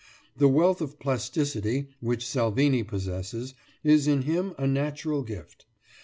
The wealth of plasticity which Salvini possesses, is in him, a natural gift.